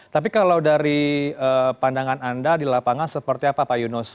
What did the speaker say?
tapi kalau dari pandangan anda di lapangan seperti apa pak yunus